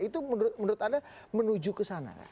itu menurut anda menuju ke sana nggak